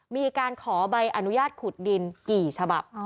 มีการขอใบอนุญาตขุดดินกี่ฉบับ